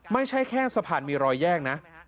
ไม่ใช่แค่สะพานมีรอยแยกนะ